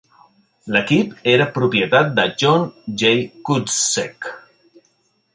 L'equip era propietat de John J. Kuczek.